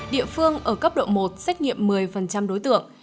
địa phương ở cấp độ một xét nghiệm một mươi đối tượng